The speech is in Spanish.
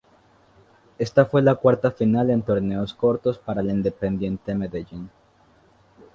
Esta fue la cuarta final en torneos cortos para el Independiente Medellín.